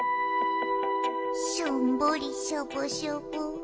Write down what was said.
しょんぼりしょぼしょぼ。